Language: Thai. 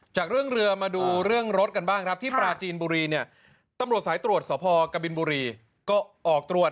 จากเรื่องเรือมาดูเรื่องรถกันบ้างครับที่ปราจีนบุรีเนี่ยตำรวจสายตรวจสพกบินบุรีก็ออกตรวจ